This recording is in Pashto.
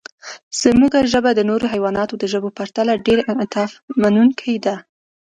زموږ ژبه د نورو حیواناتو د ژبو په پرتله ډېر انعطافمنونکې ده.